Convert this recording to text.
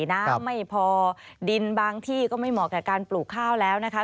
น้ำไม่พอดินบางที่ก็ไม่เหมาะกับการปลูกข้าวแล้วนะคะ